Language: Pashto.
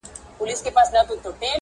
په وینا سو په کټ کټ سو په خندا سو!